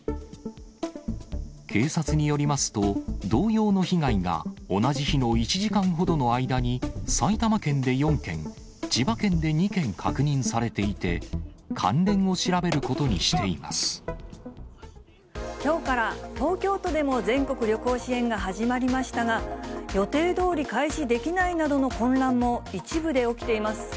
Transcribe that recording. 警察によりますと、同様の被害が同じ日の１時間ほどの間に、埼玉県で４件、千葉県で２件確認されていて、きょうから、東京都でも全国旅行支援が始まりましたが、予定どおり開始できないなどの混乱も一部で起きています。